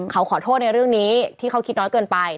เขาขอโทษในเรื่องนี้ที่เขาคิดน้อยเกินไป